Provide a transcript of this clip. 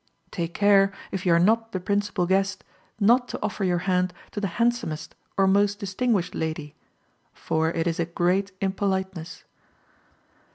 Take care, if you are not the principal guest, not to offer your hand to the handsomest or most distinguished lady; for it is a great impoliteness.